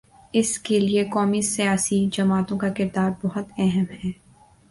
اس کے لیے قومی سیاسی جماعتوں کا کردار بہت اہم ہے۔